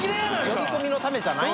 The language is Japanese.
呼び込みのためじゃない。）